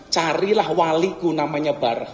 carilah waliku namanya bar